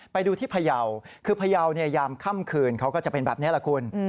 ไปดูที่พยาวคือพยาวยามค่ำคืนเขาก็จะเป็นแบบนี้แหละคุณ